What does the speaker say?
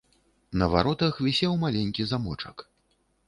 На варотах вісеў маленькі замочак.